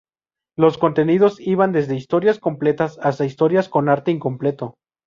Los contenidos iban desde historias completas hasta historias con arte incompleto.